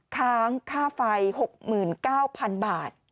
ค้างค่าไฟ๖๙๐๐๐บาท